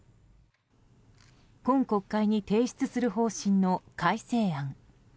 今国会に提出する方針の改正案。